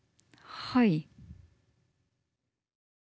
はい。